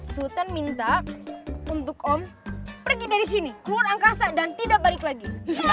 sultan minta untuk om pergi dari sini keluar angkasa dan tidak balik lagi